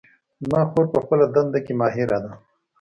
زما خور په خپله دنده کې ماهره ده